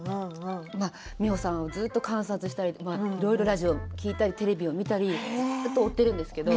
美穂さんをずっと観察したりいろいろラジオを聞いたりテレビを見たりずっと追っているんですけれども。